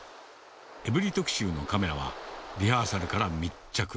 エブリィ特集のカメラは、リハーサルから密着。